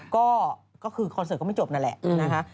ก็คือคอนเสิร์ตก็ไม่จบนั่นแหละนะคะ